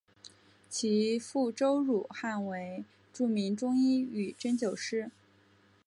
其父周汝汉为著名中医与针灸师。